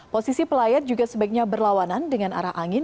posisi pelayat juga sebaiknya berlawanan dengan arah angin